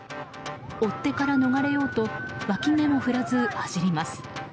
追手から逃れようとわき目も振らず走ります。